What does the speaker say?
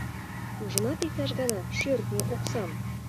Ужынат иктаж гана шӧртньӧ оксам?